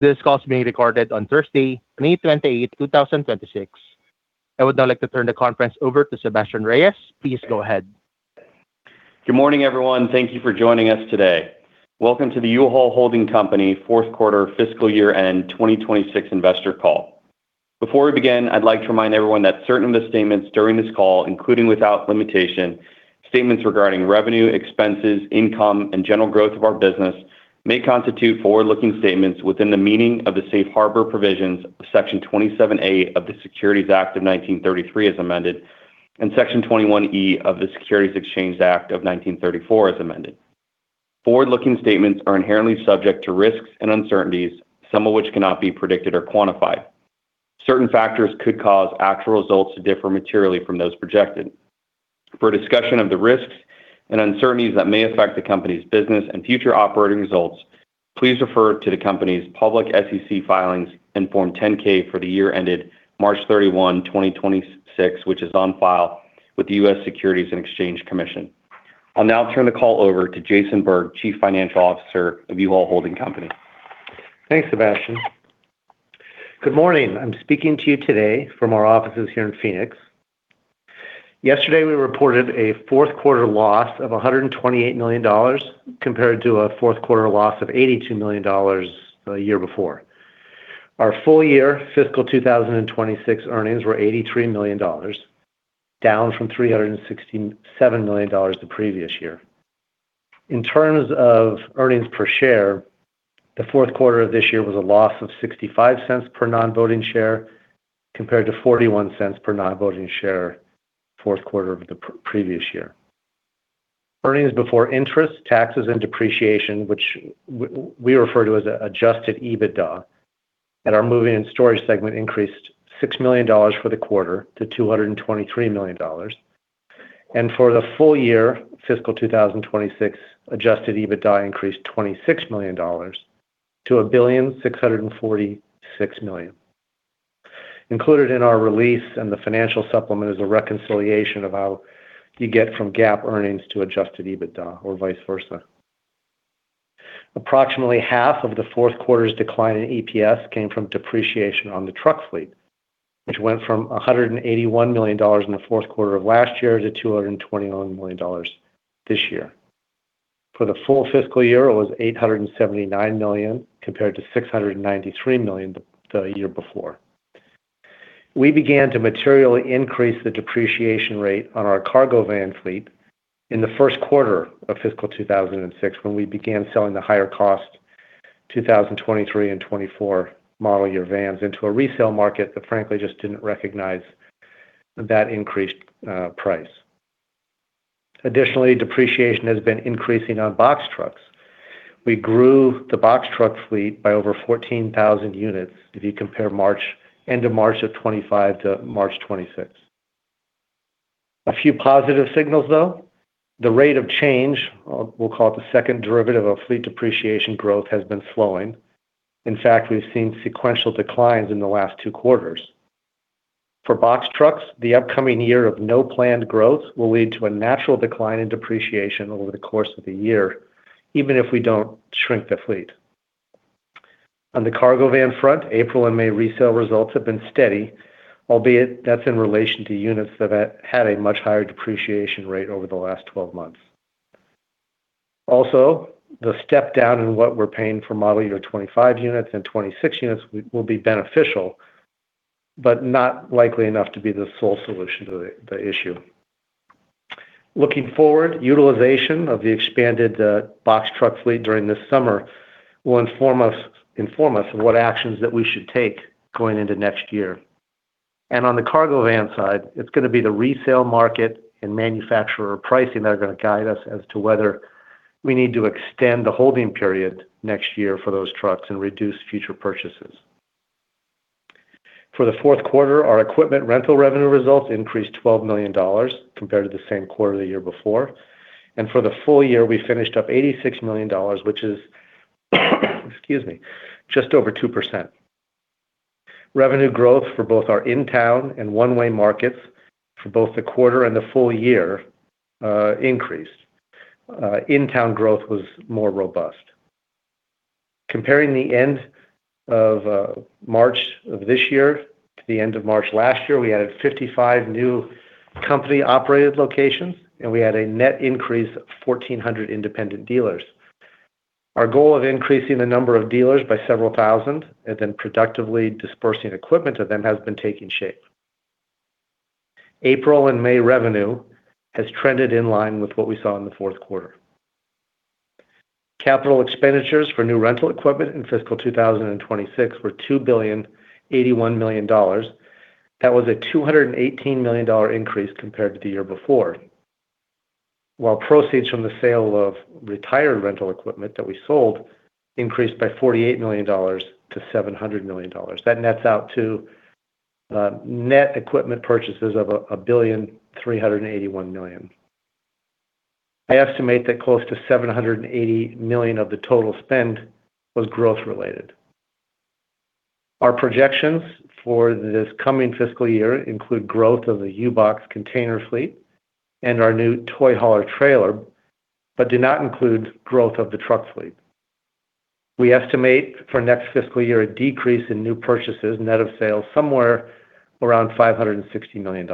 This call is being recorded on Thursday, May 28th, 2026. I would now like to turn the conference over to Sebastien Reyes. Please go ahead. Good morning, everyone. Thank you for joining us today. Welcome to the U-Haul Holding Company fourth quarter fiscal year end 2026 investor call. Before we begin, I'd like to remind everyone that certain of the statements during this call, including without limitation, statements regarding revenue, expenses, income, and general growth of our business, may constitute forward-looking statements within the meaning of the safe harbor provisions of Section 27A of the Securities Act of 1933 as amended, and Section 21E of the Securities Exchange Act of 1934 as amended. Forward-looking statements are inherently subject to risks and uncertainties, some of which cannot be predicted or quantified. Certain factors could cause actual results to differ materially from those projected. For a discussion of the risks and uncertainties that may affect the company's business and future operating results, please refer to the company's public SEC filings and Form 10-K for the year ended March 31, 2026, which is on file with the U.S. Securities and Exchange Commission. I'll now turn the call over to Jason Berg, Chief Financial Officer of U-Haul Holding Company. Thanks, Sebastien. Good morning. I'm speaking to you today from our offices here in Phoenix. Yesterday, we reported a fourth quarter loss of $128 million compared to a fourth quarter loss of $82 million the year before. Our full year fiscal 2026 earnings were $83 million, down from $367 million the previous year. In terms of earnings per share, the fourth quarter of this year was a loss of $0.65 per non-voting share, compared to $0.41 per non-voting share fourth quarter of the previous year. Earnings before interest, taxes, and depreciation, which we refer to as Adjusted EBITDA, at our moving and storage segment increased $6 million for the quarter to $223 million. For the full year fiscal 2026, Adjusted EBITDA increased $26 million to $1,646,000,000. Included in our release in the financial supplement is a reconciliation of how you get from GAAP earnings to Adjusted EBITDA or vice versa. Approximately half of the fourth quarter's decline in EPS came from depreciation on the truck fleet, which went from $181 million in the fourth quarter of last year to $229 million this year. For the full fiscal year, it was $879 million compared to $693 million the year before. We began to materially increase the depreciation rate on our cargo van fleet in the first quarter of fiscal 2026, when we began selling the higher cost 2023 and 2024 model year vans into a resale market that frankly just didn't recognize that increased price. Additionally, depreciation has been increasing on box trucks. We grew the box truck fleet by over 14,000 units if you compare end of March of 2025 to March 2026. A few positive signals, though. The rate of change, or we'll call it the second derivative of fleet depreciation growth, has been slowing. In fact, we've seen sequential declines in the last two quarters. For box trucks, the upcoming year of no planned growth will lead to a natural decline in depreciation over the course of the year, even if we don't shrink the fleet. On the cargo van front, April and May resale results have been steady, albeit that's in relation to units that have had a much higher depreciation rate over the last 12 months. Also, the step down in what we're paying for model year 2025 units and 2026 units will be beneficial, but not likely enough to be the sole solution to the issue. Looking forward, utilization of the expanded box truck fleet during this summer will inform us of what actions that we should take going into next year. On the cargo van side, it's going to be the resale market and manufacturer pricing that are going to guide us as to whether we need to extend the holding period next year for those trucks and reduce future purchases. For the fourth quarter, our equipment rental revenue results increased $12 million compared to the same quarter the year before. For the full year, we finished up $86 million, which is, excuse me, just over 2%. Revenue growth for both our in-town and one-way markets for both the quarter and the full year increased. In-town growth was more robust. Comparing the end of March of this year to the end of March last year, we added 55 new company-operated locations, and we had a net increase of 1,400 independent dealers. Our goal of increasing the number of dealers by several thousand and then productively dispersing equipment to them has been taking shape. April and May revenue has trended in line with what we saw in the fourth quarter. Capital expenditures for new rental equipment in fiscal 2026 were $2,081,000,000. That was a $218 million increase compared to the year before. While proceeds from the sale of retired rental equipment that we sold increased by $48 million to $700 million. That nets out to net equipment purchases of $1,381,000,000. I estimate that close to $780 million of the total spend was growth related. Our projections for this coming fiscal year include growth of the U-Box container fleet and our new Toy Hauler trailer, but do not include growth of the truck fleet. We estimate for next fiscal year a decrease in new purchases, net of sales, somewhere around $560 million.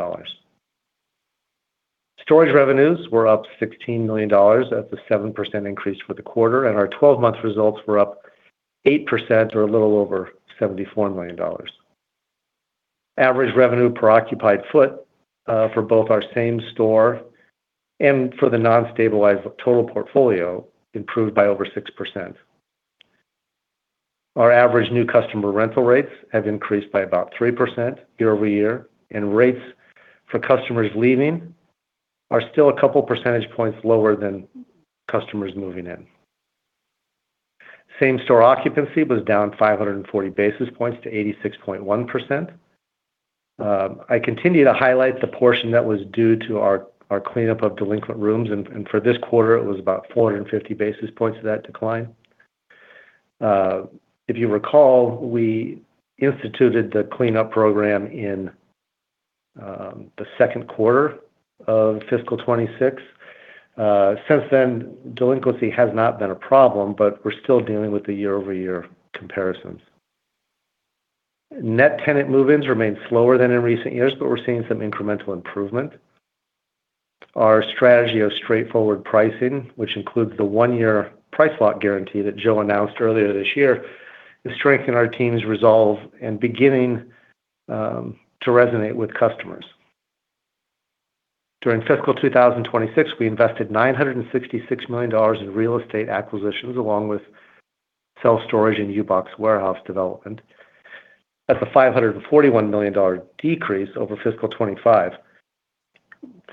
Storage revenues were up $16 million. That's a 7% increase for the quarter, and our 12-month results were up 8%, or a little over $74 million. Average revenue per occupied foot for both our same store and for the non-stabilized total portfolio improved by over 6%. Our average new customer rental rates have increased by about 3% year-over-year, and rates for customers leaving are still a couple percentage points lower than customers moving in. Same-store occupancy was down 540 basis points to 86.1%. I continue to highlight the portion that was due to our cleanup of delinquent rooms, and for this quarter, it was about 450 basis points of that decline. If you recall, we instituted the cleanup program in the second quarter of fiscal 2026. Since then, delinquency has not been a problem, but we're still dealing with the year-over-year comparisons. Net tenant move-ins remain slower than in recent years, but we're seeing some incremental improvement. Our strategy of straightforward pricing, which includes the one-year price lock guarantee that Joe announced earlier this year, is strengthening our team's resolve and beginning to resonate with customers. During fiscal 2026, we invested $966 million in real estate acquisitions, along with self-storage and U-Box warehouse development. That's a $541 million decrease over fiscal 2025.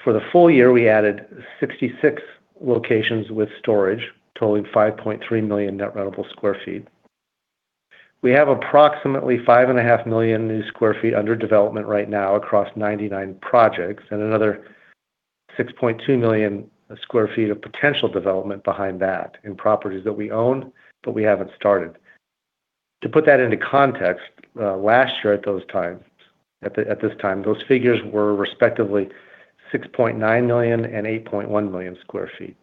For the full year, we added 66 locations with storage totaling 5.3 million net rentable square feet. We have approximately 5.5 million new square feet under development right now across 99 projects and another 6.2 million square feet of potential development behind that in properties that we own, but we haven't started. To put that into context, last year at this time, those figures were respectively 6.9 million and 8.1 million square feet.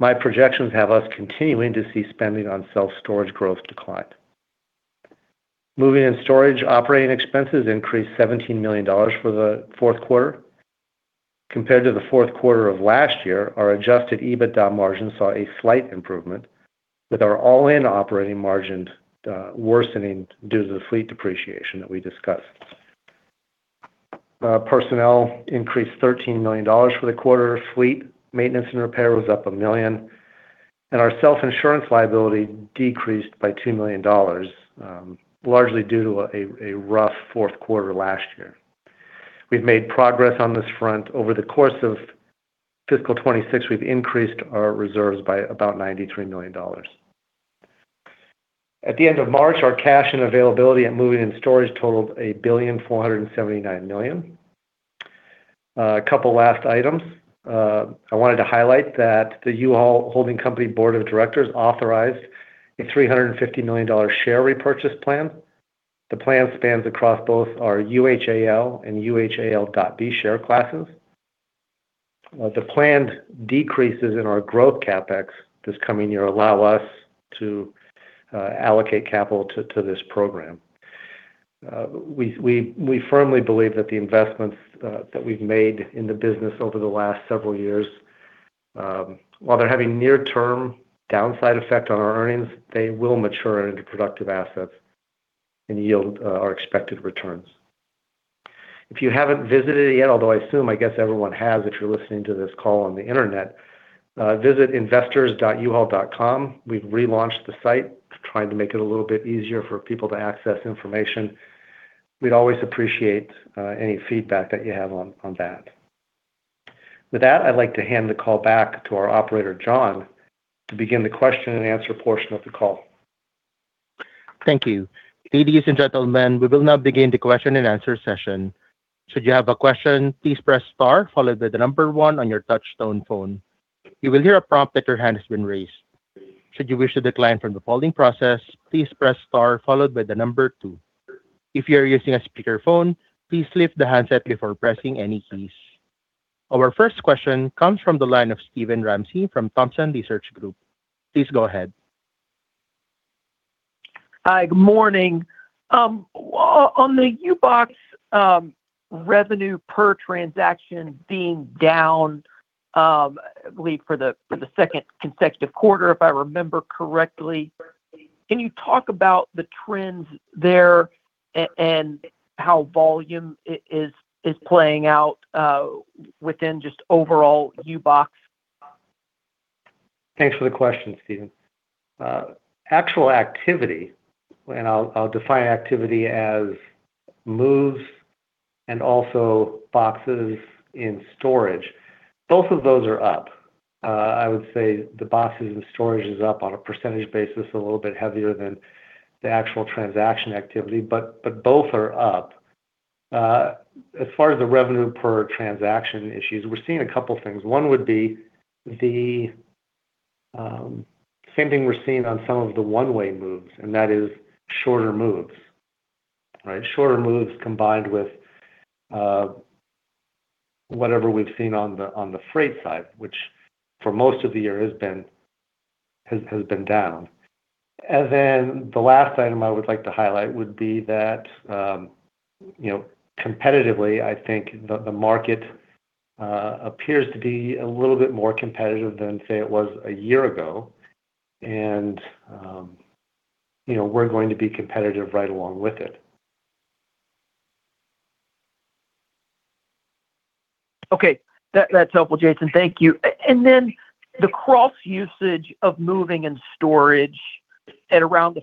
My projections have us continuing to see spending on self-storage growth decline. Moving and storage operating expenses increased $17 million for the fourth quarter. Compared to the fourth quarter of last year, our Adjusted EBITDA margin saw a slight improvement, with our all-in operating margins worsening due to the fleet depreciation that we discussed. Personnel increased $13 million for the quarter. Fleet maintenance and repair was up $1 million. Our self-insurance liability decreased by $2 million, largely due to a rough fourth quarter last year. We've made progress on this front. Over the course of fiscal 2026, we've increased our reserves by about $93 million. At the end of March, our cash and availability at moving and storage totaled $1.479 billion. A couple last items. I wanted to highlight that the U-Haul Holding Company board of directors authorized a $350 million share repurchase plan. The plan spans across both our UHAL and UHAL.B share classes. The planned decreases in our growth CapEx this coming year allow us to allocate capital to this program. We firmly believe that the investments that we've made in the business over the last several years, while they're having near-term downside effect on our earnings, they will mature into productive assets and yield our expected returns. If you haven't visited it yet, although I assume, I guess everyone has if you're listening to this call on the internet, visit investors.uhaul.com. We've relaunched the site, trying to make it a little bit easier for people to access information. We'd always appreciate any feedback that you have on that. I'd like to hand the call back to our operator, John, to begin the question and answer portion of the call. Thank you. Ladies and gentlemen, we will now begin the question-and-answer session. Should you have a question, please press star followed by the number one on your touch tone phone. You will hear a prompt that your hand has been raised. Should you wish to decline from the polling process, please press star followed by the number two. If you are using a speakerphone, please lift the handset before pressing any keys. Our first question comes from the line of Steven Ramsey from Thompson Research Group. Please go ahead. Hi. Good morning. On the U-Box revenue per transaction being down, I believe for the second consecutive quarter, if I remember correctly, can you talk about the trends there and how volume is playing out within just overall U-Box? Thanks for the question, Steven. Actual activity, and I'll define activity as moves and also boxes in storage. Both of those are up. I would say the boxes and storage is up on a percentage basis a little bit heavier than the actual transaction activity, but both are up. As far as the revenue per transaction issues, we're seeing a couple of things. One would be the same thing we're seeing on some of the one-way moves, and that is shorter moves. Right? Shorter moves combined with whatever we've seen on the freight side, which for most of the year has been down. Then the last item I would like to highlight would be that, competitively, I think the market appears to be a little bit more competitive than, say, it was a year ago. We're going to be competitive right along with it. Okay. That's helpful, Jason. Thank you. The cross-usage of moving and storage at around the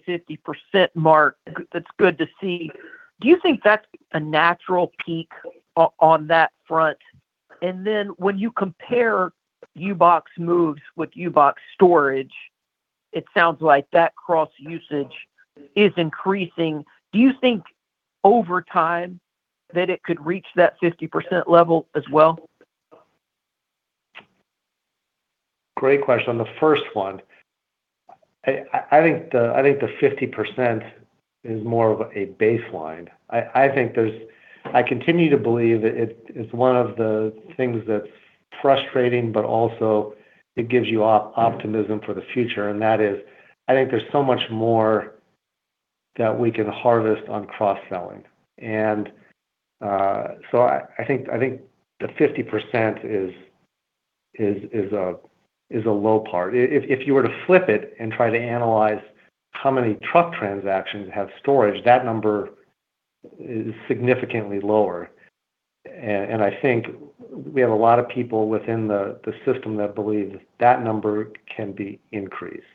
50% mark, that's good to see. Do you think that's a natural peak on that front? When you compare U-Box moves with U-Box storage, it sounds like that cross-usage is increasing. Do you think over time that it could reach that 50% level as well? Great question. The first one, I think the 50% is more of a baseline. I continue to believe that it is one of the things that's frustrating, but also it gives you optimism for the future, and that is, I think there's so much more that we can harvest on cross-selling. I think the 50% is a low part. If you were to flip it and try to analyze how many truck transactions have storage, that number is significantly lower. I think we have a lot of people within the system that believe that number can be increased.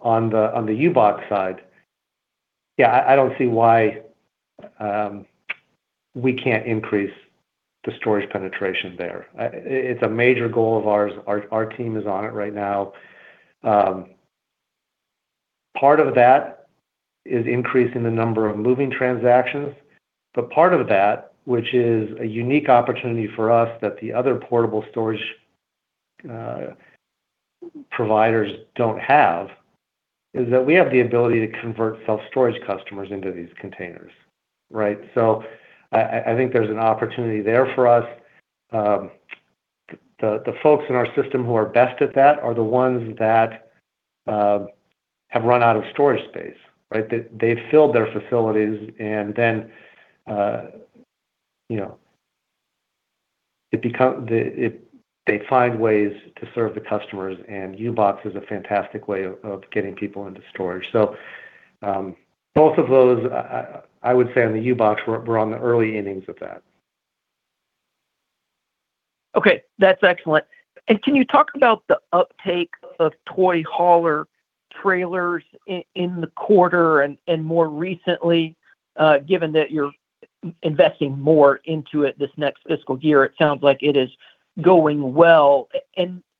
On the U-Box side, yeah, I don't see why we can't increase the storage penetration there. It's a major goal of ours. Our team is on it right now. Part of that is increasing the number of moving transactions. Part of that, which is a unique opportunity for us that the other portable storage providers don't have, is that we have the ability to convert self-storage customers into these containers. Right? I think there's an opportunity there for us. The folks in our system who are best at that are the ones that have run out of storage space, right? They've filled their facilities and then they find ways to serve the customers, and U-Box is a fantastic way of getting people into storage. Both of those, I would say on the U-Box, we're on the early innings of that. Okay, that's excellent. Can you talk about the uptake of Toy Hauler trailers in the quarter and more recently, given that you're investing more into it this next fiscal year? It sounds like it is going well.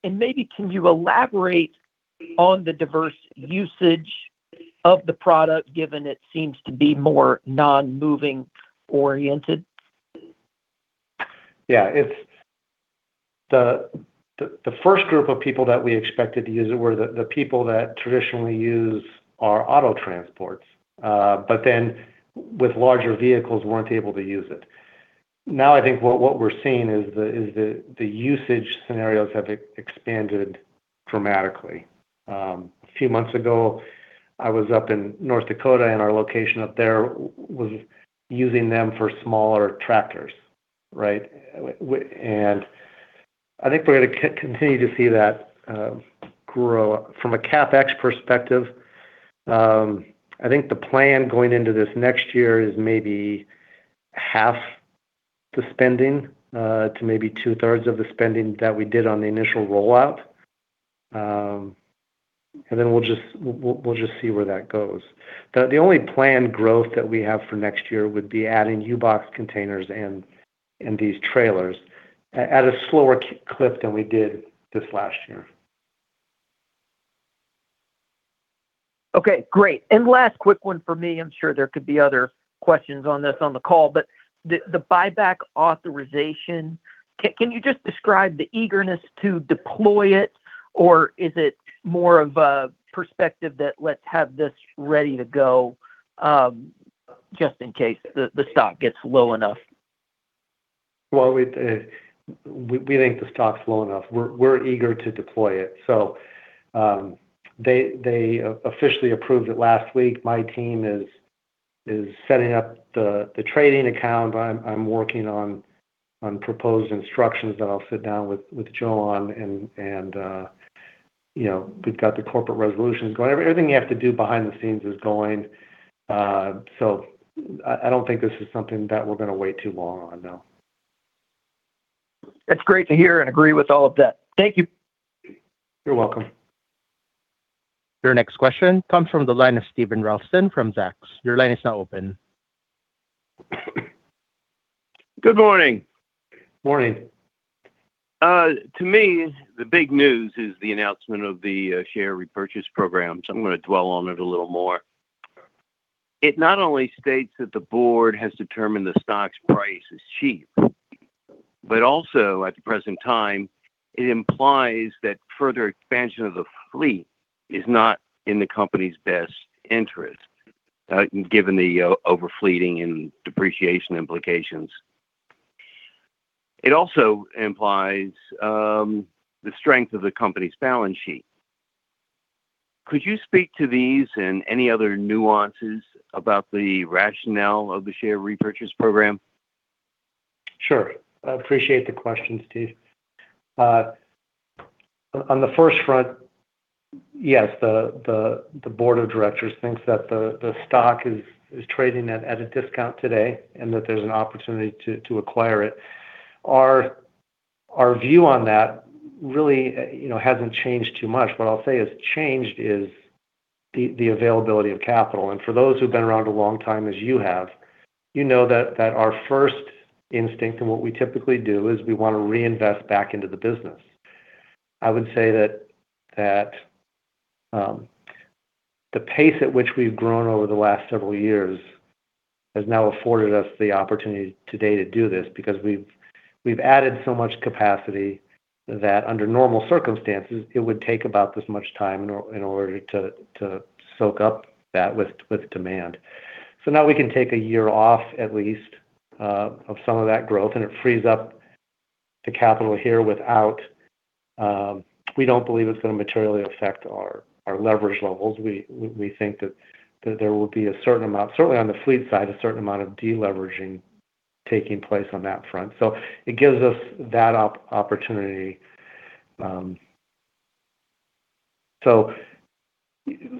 Maybe can you elaborate on the diverse usage of the product, given it seems to be more non-moving oriented? Yeah. The first group of people that we expected to use it were the people that traditionally use our auto transport, with larger vehicles weren't able to use it. I think what we're seeing is the usage scenarios have expanded dramatically. A few months ago, I was up in North Dakota, our location up there was using them for smaller tractors, right? I think we're going to continue to see that grow. From a CapEx perspective, I think the plan going into this next year is maybe half the spending to maybe two-thirds of the spending that we did on the initial rollout. We'll just see where that goes. The only planned growth that we have for next year would be adding U-Box containers and these trailers at a slower clip than we did this last year. Okay, great. Last quick one from me. I'm sure there could be other questions on this on the call, but the buyback authorization, can you just describe the eagerness to deploy it? Is it more of a perspective that let's have this ready to go, just in case the stock gets low enough? Well, we think the stock's low enough. We're eager to deploy it. They officially approved it last week. My team is setting up the trading account. I'm working on proposed instructions that I'll sit down with Joe on and we've got the corporate resolutions going. Everything you have to do behind the scenes is going, so I don't think this is something that we're going to wait too long on, no. That's great to hear and agree with all of that. Thank you. You're welcome. Your next question comes from the line of Steven Ralston from Zacks. Your line is now open. Good morning. Morning. To me, the big news is the announcement of the share repurchase program. I'm going to dwell on it a little more. It not only states that the board has determined the stock's price is cheap, but also at the present time, it implies that further expansion of the fleet is not in the company's best interest, given the over-fleeting and depreciation implications. It also implies the strength of the company's balance sheet. Could you speak to these and any other nuances about the rationale of the share repurchase program? Sure. I appreciate the questions, Steven. On the first front, yes, the board of directors thinks that the stock is trading at a discount today and that there's an opportunity to acquire it. Our view on that really hasn't changed too much. What I'll say has changed is the availability of capital. For those who've been around a long time, as you have, you know that our first instinct and what we typically do is we want to reinvest back into the business. I would say that the pace at which we've grown over the last several years has now afforded us the opportunity today to do this because we've added so much capacity that under normal circumstances, it would take about this much time in order to soak up that with demand. Now we can take a year off at least of some of that growth, and it frees up the capital here without, we don't believe it's going to materially affect our leverage levels. We think that there will be a certain amount, certainly on the fleet side, a certain amount of de-leveraging taking place on that front. It gives us that opportunity.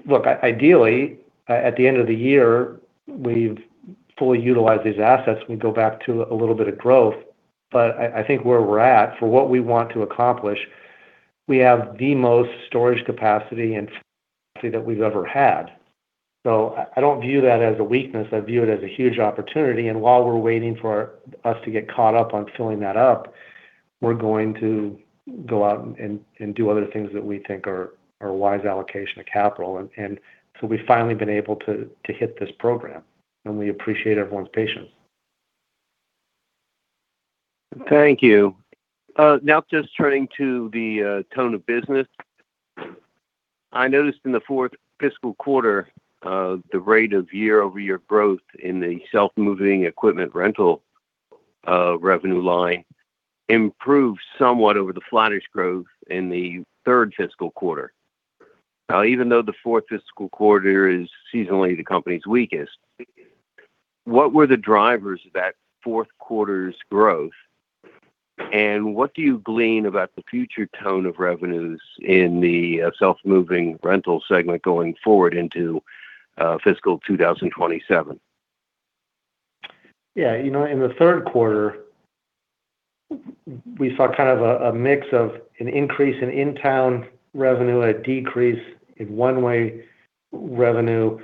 Look, ideally, at the end of the year, we've fully utilized these assets and we go back to a little bit of growth. I think where we're at for what we want to accomplish, we have the most storage capacity that we've ever had. I don't view that as a weakness. I view it as a huge opportunity. While we're waiting for us to get caught up on filling that up, we're going to go out and do other things that we think are a wise allocation of capital. We've finally been able to hit this program, and we appreciate everyone's patience. Thank you. Just turning to the tone of business. I noticed in the fourth fiscal quarter, the rate of year-over-year growth in the self-moving equipment rental revenue line improved somewhat over the flattish growth in the third fiscal quarter. Even though the fourth fiscal quarter is seasonally the company's weakest, what were the drivers of that fourth quarter's growth, and what do you glean about the future tone of revenues in the self-moving rental segment going forward into fiscal 2027? Yeah. In the third quarter, we saw kind of a mix of an increase in in-town revenue, a decrease in one-way revenue.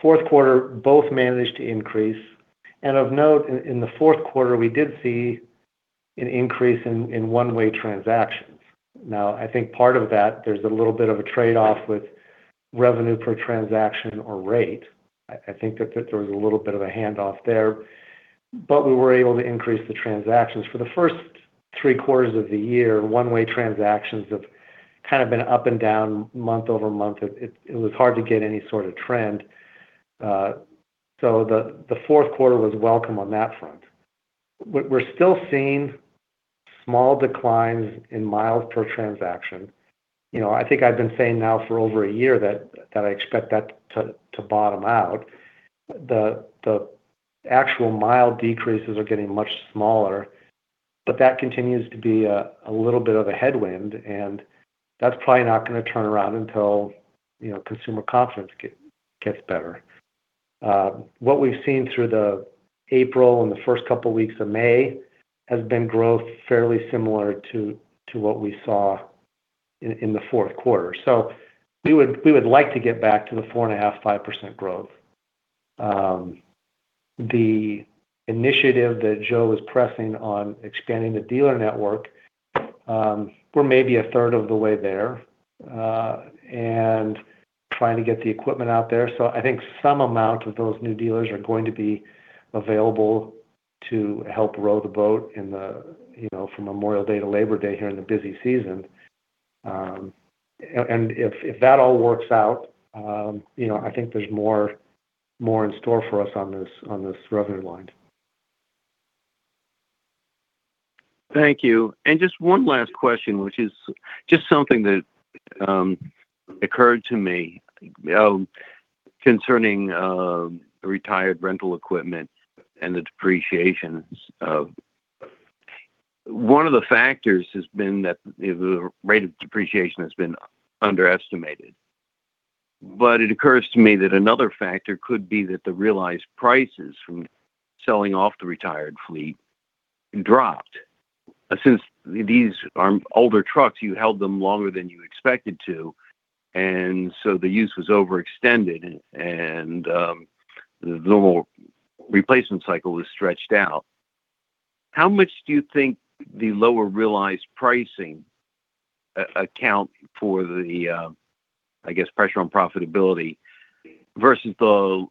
Fourth quarter, both managed to increase. Of note, in the fourth quarter, we did see an increase in one-way transactions. Now, I think part of that, there's a little bit of a trade-off with revenue per transaction or rate. I think that there was a little bit of a handoff there, but we were able to increase the transactions. For the first three quarters of the year, one-way transactions have kind of been up and down month-over-month. It was hard to get any sort of trend. The fourth quarter was welcome on that front. We're still seeing small declines in miles per transaction. I think I've been saying now for over one year that I expect that to bottom out. The actual mile decreases are getting much smaller, but that continues to be a little bit of a headwind, and that's probably not going to turn around until consumer confidence gets better. What we've seen through the April and the first couple of weeks of May has been growth fairly similar to what we saw in the fourth quarter. We would like to get back to the 4.5%-5% growth. The initiative that Joe is pressing on expanding the dealer network, we're maybe a third of the way there and trying to get the equipment out there. I think some amount of those new dealers are going to be available to help row the boat from Memorial Day to Labor Day here in the busy season. If that all works out, I think there's more in store for us on this revenue line. Thank you. Just one last question, which is just something that occurred to me concerning the retired rental equipment and the depreciations. One of the factors has been that the rate of depreciation has been underestimated. It occurs to me that another factor could be that the realized prices from selling off the retired fleet dropped. Since these are older trucks, you held them longer than you expected to, and so the use was overextended and the normal replacement cycle was stretched out. How much do you think the lower realized pricing account for the, I guess, pressure on profitability versus the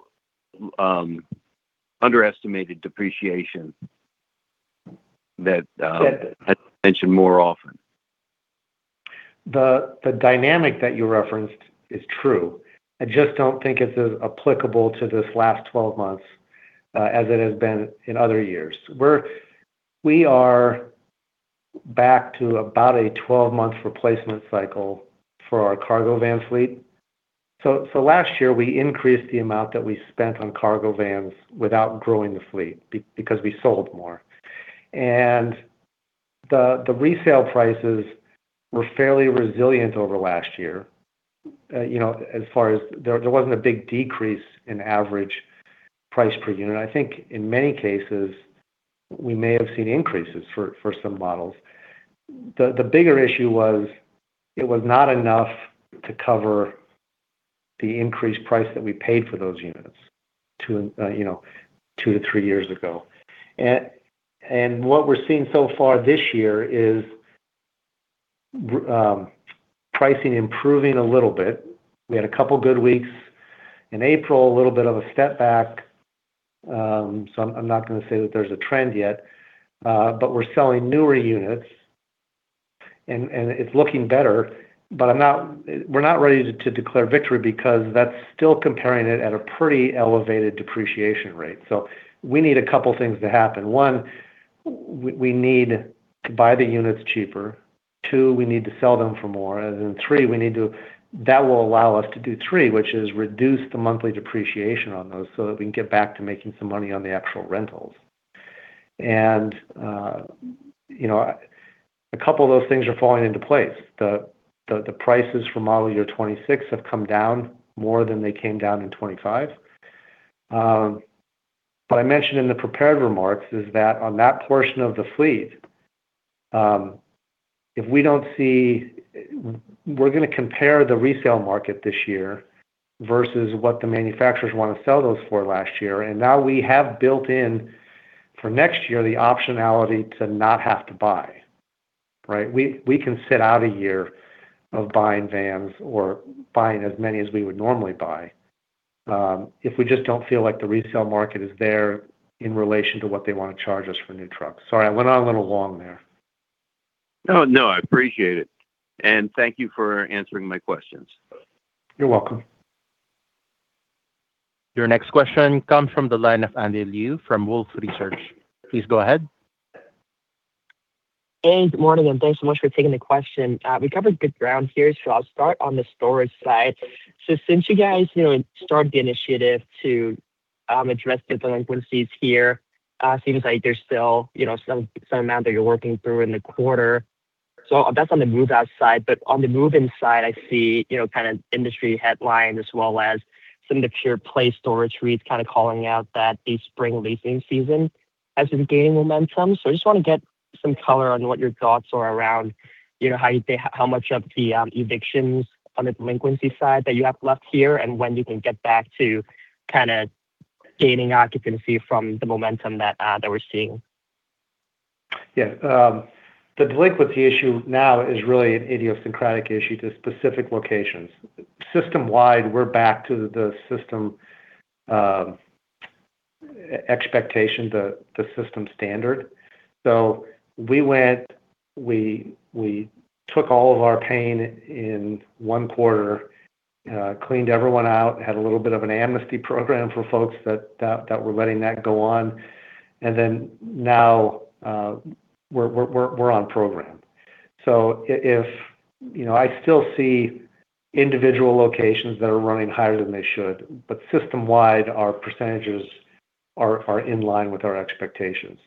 underestimated depreciation? Yeah Is mentioned more often? The dynamic that you referenced is true. I just don't think it's as applicable to this last 12 months as it has been in other years. We are back to about a 12-month replacement cycle for our cargo van fleet. Last year, we increased the amount that we spent on cargo vans without growing the fleet because we sold more. The resale prices were fairly resilient over last year, as far as there wasn't a big decrease in average price per unit. I think in many cases, we may have seen increases for some models. The bigger issue was it was not enough to cover the increased price that we paid for those units two to three years ago. What we're seeing so far this year is pricing improving a little bit. We had a couple good weeks. In April, a little bit of a step back. I'm not going to say that there's a trend yet. We're selling newer units and it's looking better. We're not ready to declare victory because that's still comparing it at a pretty elevated depreciation rate. We need a couple things to happen. One, we need to buy the units cheaper. Two, we need to sell them for more. Three, that will allow us to do three, which is reduce the monthly depreciation on those so that we can get back to making some money on the actual rentals. A couple of those things are falling into place. The prices for model year 2026 have come down more than they came down in 2025. What I mentioned in the prepared remarks is that on that portion of the fleet, we're going to compare the resale market this year versus what the manufacturers want to sell those for last year. Now we have built in for next year the optionality to not have to buy. Right? We can sit out a year of buying vans or buying as many as we would normally buy, if we just don't feel like the resale market is there in relation to what they want to charge us for new trucks. Sorry, I went on a little long there. Oh, no, I appreciate it. Thank you for answering my questions. You're welcome. Your next question comes from the line of Andy Liu from Wolfe Research. Please go ahead. Hey, good morning, thanks so much for taking the question. We covered good ground here. I'll start on the storage side. Since you guys started the initiative to address the delinquencies here, seems like there's still some amount that you're working through in the quarter. That's on the move-out side. On the move-in side, I see industry headlines as well as some of the pure play storage reads kind of calling out that the spring leasing season has been gaining momentum. I just want to get some color on what your thoughts are around how much of the evictions on the delinquency side that you have left here and when you can get back to gaining occupancy from the momentum that we're seeing. The delinquency issue now is really an idiosyncratic issue to specific locations. System-wide, we're back to the system expectation, the system standard. We took all of our pain in one quarter, cleaned everyone out, had a little bit of an amnesty program for folks that were letting that go on, now we're on program. I still see individual locations that are running higher than they should, but system-wide, our percentages are in line with our expectations.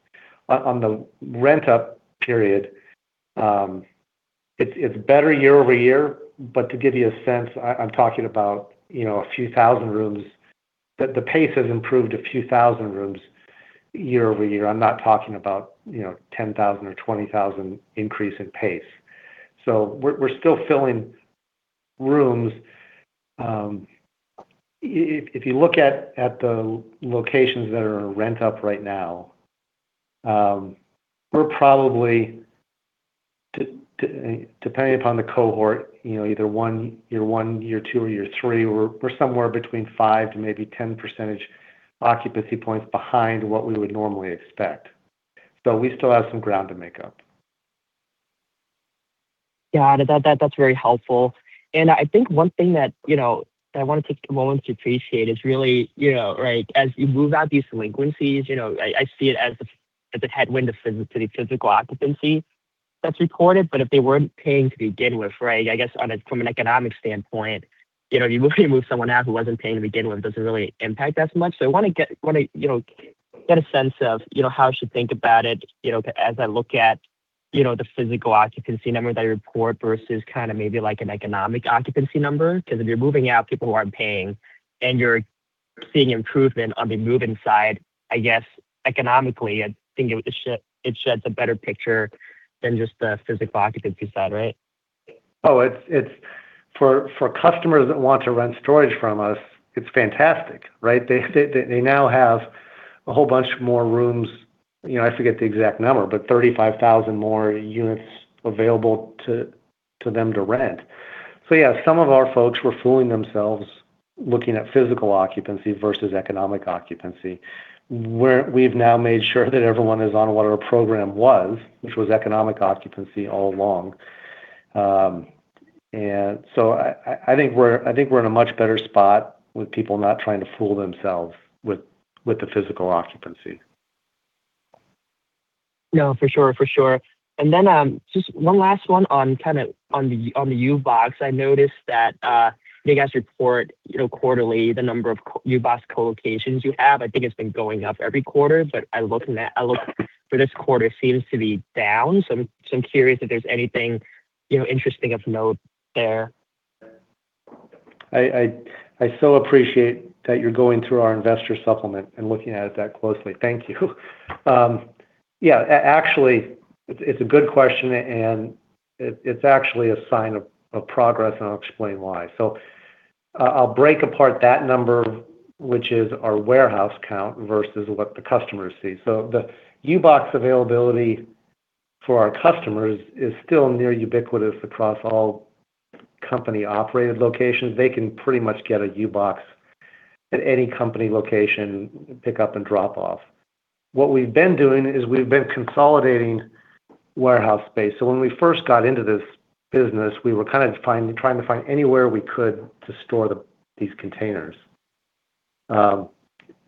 On the rent-up period, it's better year-over-year, but to give you a sense, I'm talking about a few thousand rooms. The pace has improved a few thousand rooms year-over-year. I'm not talking about 10,000 or 20,000 increase in pace. We're still filling rooms. If you look at the locations that are rent up right now, we're probably, depending upon the cohort, either year one, year two, or year three, we're somewhere between five to maybe 10 percentage occupancy points behind what we would normally expect. We still have some ground to make up. Yeah, that's very helpful. I think one thing that I want to take a moment to appreciate is really as you move out these delinquencies, I see it as the headwind to the physical occupancy that's recorded. If they weren't paying to begin with, I guess from an economic standpoint, you move someone out who wasn't paying to begin with, doesn't really impact as much. I want to get a sense of how I should think about it as I look at the physical occupancy number that I report versus maybe an economic occupancy number. If you're moving out people who aren't paying and you're seeing improvement on the move-in side, I guess economically, I think it sheds a better picture than just the physical occupancy side, right? Oh, for customers that want to rent storage from us, it's fantastic, right? They now have a whole bunch more rooms, I forget the exact number, but 35,000 more units available to them to rent. Yeah, some of our folks were fooling themselves looking at physical occupancy versus economic occupancy, where we've now made sure that everyone is on what our program was, which was economic occupancy all along. I think we're in a much better spot with people not trying to fool themselves with the physical occupancy. No, for sure. Just one last one on the U-Box. I noticed that you guys report quarterly the number of U-Box co-locations you have. I think it's been going up every quarter, but I looked for this quarter, it seems to be down. I'm curious if there's anything interesting of note there. I so appreciate that you're going through our investor supplement and looking at it that closely. Thank you. Actually, it's a good question, and it's actually a sign of progress, and I'll explain why. I'll break apart that number, which is our warehouse count versus what the customers see. The U-Box availability for our customers is still near ubiquitous across all company-operated locations. They can pretty much get a U-Box at any company location, pick up and drop off. What we've been doing is we've been consolidating warehouse space. When we first got into this business, we were trying to find anywhere we could to store these containers. As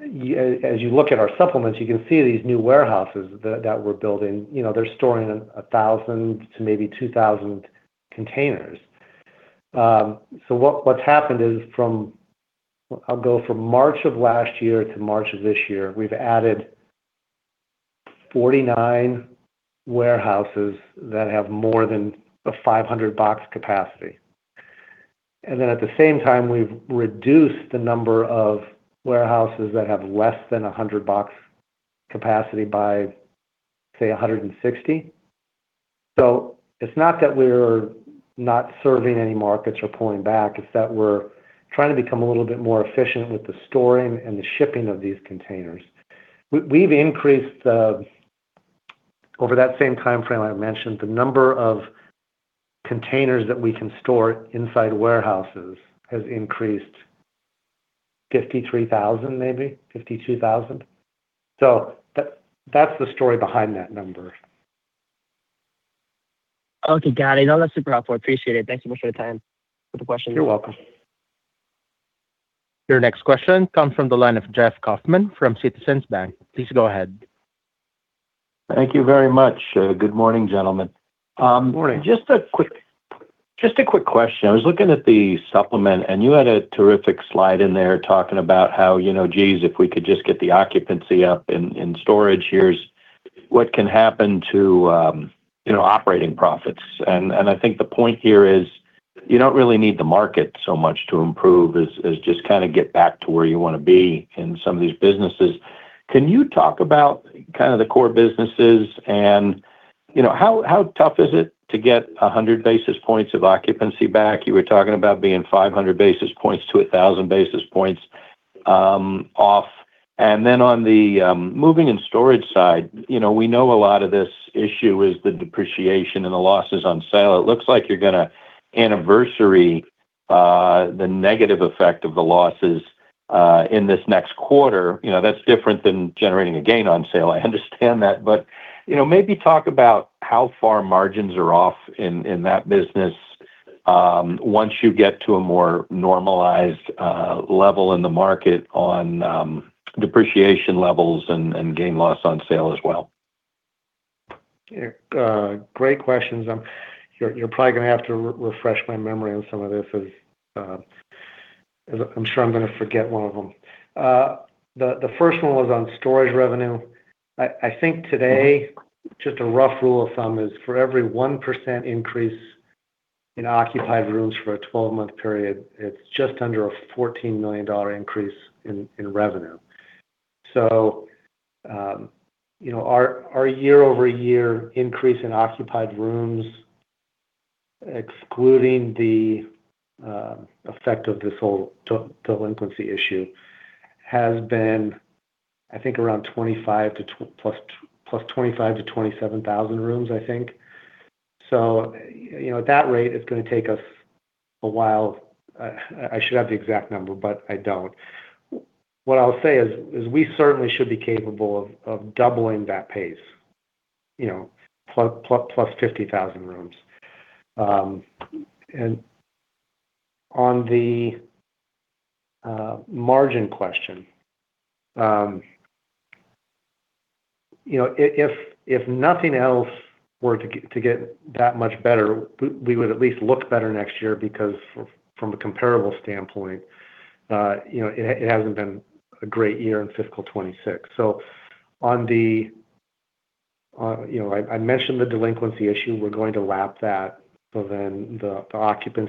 you look at our supplements, you can see these new warehouses that we're building. They're storing 1,000 to maybe 2,000 containers. What's happened is from, I'll go from March of last year to March of this year, we've added 49 warehouses that have more than a 500 box capacity. At the same time, we've reduced the number of warehouses that have less than 100 box capacity by, say, 160. It's not that we're not serving any markets or pulling back. It's that we're trying to become a little bit more efficient with the storing and the shipping of these containers. We've increased, over that same timeframe I mentioned, the number of containers that we can store inside warehouses has increased 53,000 maybe, 52,000. That's the story behind that number. Okay, got it. That's super helpful. Appreciate it. Thank you much for the time, for the questions. You're welcome. Your next question comes from the line of Jeff Kauffman from Citizens Bank. Please go ahead. Thank you very much. Good morning, gentlemen. Morning. Just a quick question. I was looking at the supplement, you had a terrific slide in there talking about how, geez, if we could just get the occupancy up in storage, here's what can happen to operating profits. I think the point here is you don't really need the market so much to improve as just kind of get back to where you want to be in some of these businesses. Can you talk about kind of the core businesses and how tough is it to get 100 basis points of occupancy back? You were talking about being 500 basis points to 1,000 basis points off. Then on the moving and storage side, we know a lot of this issue is the depreciation and the losses on sale. It looks like you're going to anniversary the negative effect of the losses in this next quarter. That's different than generating a gain on sale. I understand that, but maybe talk about how far margins are off in that business once you get to a more normalized level in the market on depreciation levels and gain loss on sale as well? Great questions. You're probably going to have to refresh my memory on some of this as I'm sure I'm going to forget one of them. The first one was on storage revenue. I think today, just a rough rule of thumb is for every 1% increase in occupied rooms for a 12-month period, it's just under a $14 million increase in revenue. Our year-over-year increase in occupied rooms, excluding the effect of this whole delinquency issue, has been, I think, around plus 25,000 to 27,000 rooms, I think. At that rate, it's going to take us a while. I should have the exact number, but I don't. What I'll say is we certainly should be capable of doubling that pace, plus 50,000 rooms. On the margin question, if nothing else were to get that much better, we would at least look better next year because from a comparable standpoint, it hasn't been a great year in fiscal 2026. I mentioned the delinquency issue. We are going to lap that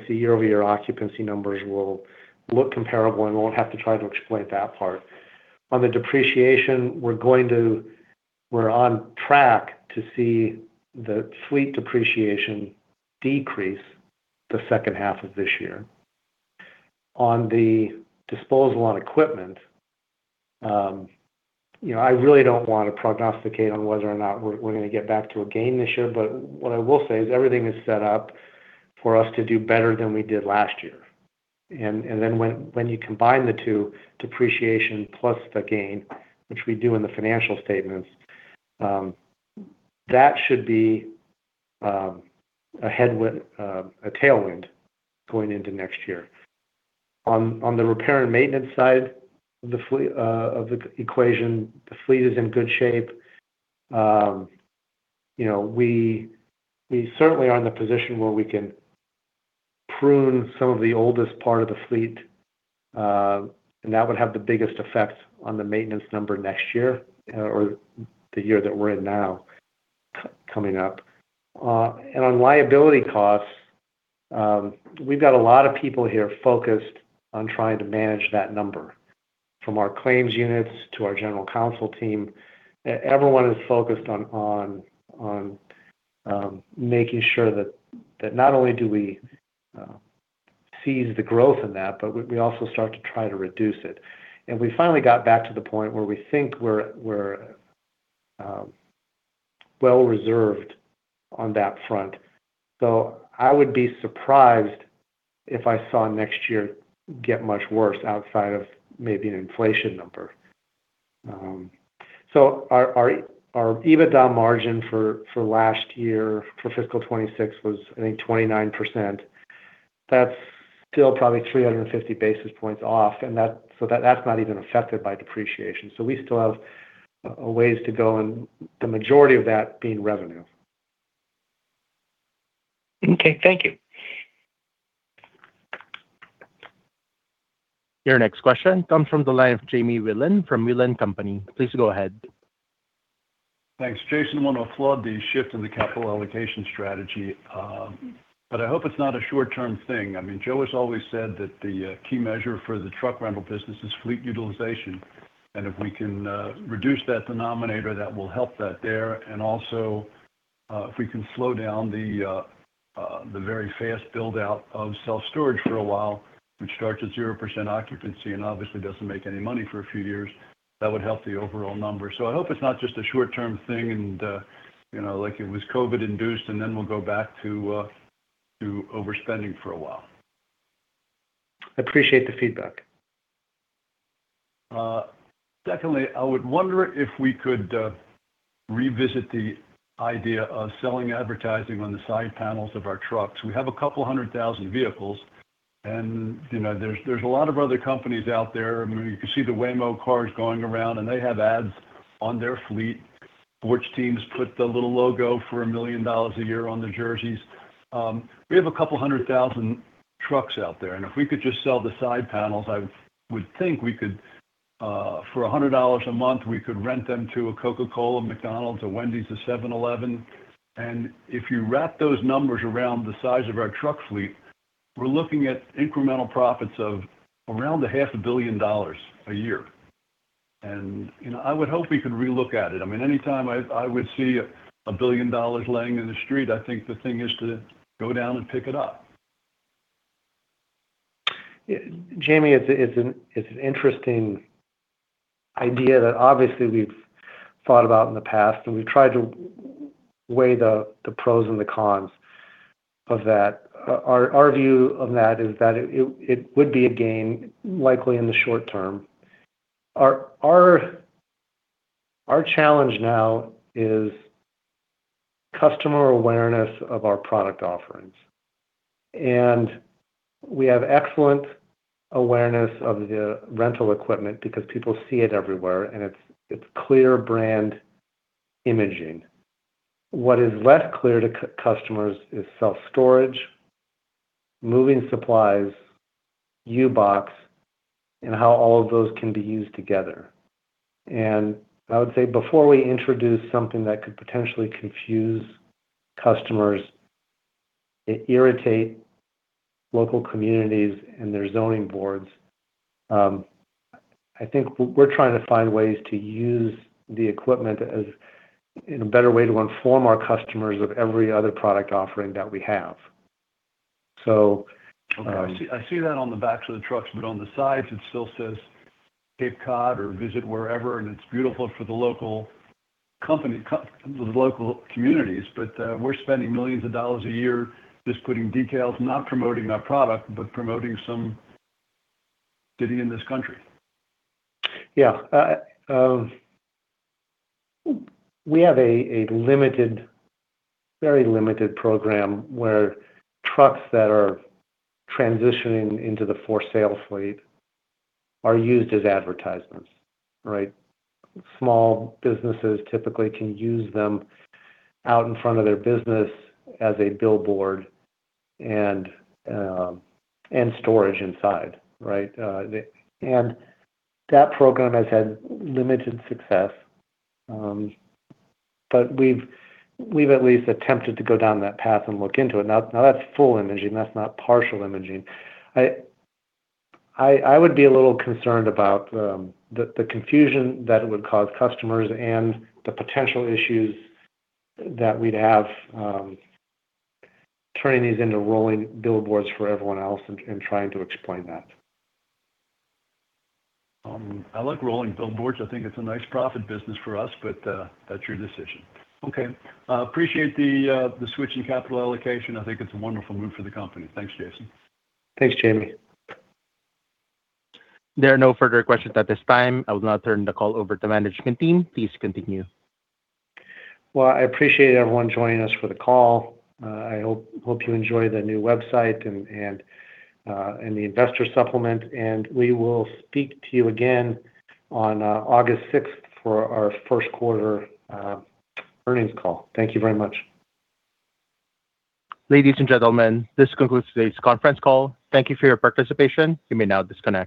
year-over-year delinquency numbers. We will look compatible. And we will have to try to explain that part. On depreciation, we're on track to see the fleet depreciation decrease the second half of this year. On the disposal on equipment, I really don't want to prognosticate on whether or not we're going to get back to a gain this year, but what I will say is everything is set up for us to do better than we did last year. When you combine the two, depreciation plus the gain, which we do in the financial statements, that should be a tailwind going into next year. On the repair and maintenance side of the equation, the fleet is in good shape. We certainly are in the position where we can prune some of the oldest part of the fleet, and that would have the biggest effect on the maintenance number next year or the year that we're in now coming up. On liability costs, we've got a lot of people here focused on trying to manage that number. From our claims units to our general counsel team, everyone is focused on making sure that not only do we seize the growth in that, but we also start to try to reduce it. We finally got back to the point where we think we're well reserved on that front. I would be surprised if I saw next year get much worse outside of maybe an inflation number. Our EBITDA margin for last year, for fiscal 2026, was, I think, 29%. That's still probably 350 basis points off, that's not even affected by depreciation. We still have a ways to go, and the majority of that being revenue. Okay, thank you. Your next question comes from the line of Jamie Wilen from Wilen Company. Please go ahead. Thanks. Jason, want to applaud the shift in the capital allocation strategy, but I hope it's not a short-term thing. Joe has always said that the key measure for the truck rental business is fleet utilization, and if we can reduce that denominator, that will help that there. Also, if we can slow down the very fast build-out of self-storage for a while, which starts at 0% occupancy and obviously doesn't make any money for a few years, that would help the overall number. I hope it's not just a short-term thing and like it was COVID induced, and then we'll go back to overspending for a while. Appreciate the feedback. Secondly, I would wonder if we could revisit the idea of selling advertising on the side panels of our trucks. We have 200,000 vehicles, and there's a lot of other companies out there. You can see the Waymo cars going around, and they have ads on their fleet. Sports teams put the little logo for $1 million a year on their jerseys. We have 200,000 trucks out there, and if we could just sell the side panels, I would think for $100 a month, we could rent them to a Coca-Cola, McDonald's, a Wendy's, a 7-Eleven. If you wrap those numbers around the size of our truck fleet, we're looking at incremental profits of around half a billion dollars a year. I would hope we could re-look at it. Anytime I would see $1 billion laying in the street, I think the thing is to go down and pick it up. Jamie, it's an interesting idea that obviously we've thought about in the past, we've tried to weigh the pros and the cons of that. Our view of that is that it would be a gain, likely in the short term. Our challenge now is customer awareness of our product offerings. We have excellent awareness of the equipment rental because people see it everywhere, it's clear brand imaging. What is less clear to customers is self-storage, moving supplies, U-Box, and how all of those can be used together. I would say before we introduce something that could potentially confuse customers, irritate local communities and their zoning boards, I think we're trying to find ways to use the equipment as a better way to inform our customers of every other product offering that we have. Okay. I see that on the backs of the trucks, but on the sides, it still says Cape Cod or Visit Wherever, and it's beautiful for the local communities. We're spending millions of dollars a year just putting decals, not promoting our product, but promoting some city in this country. Yeah. We have a very limited program where trucks that are transitioning into the for-sale fleet are used as advertisements. Right? Small businesses typically can use them out in front of their business as a billboard and storage inside. Right? That program has had limited success, but we've at least attempted to go down that path and look into it. Now, that's full imaging, that's not partial imaging. I would be a little concerned about the confusion that it would cause customers and the potential issues that we'd have turning these into rolling billboards for everyone else and trying to explain that. I like rolling billboards. I think it's a nice profit business for us, but that's your decision. Okay. Appreciate the switch in capital allocation. I think it's a wonderful move for the company. Thanks, Jason. Thanks, Jamie. There are no further questions at this time. I will now turn the call over to management team. Please continue. Well, I appreciate everyone joining us for the call. I hope you enjoy the new website and the investor supplement. We will speak to you again on August 6th for our first quarter earnings call. Thank you very much. Ladies and gentlemen, this concludes today's conference call. Thank you for your participation. You may now disconnect.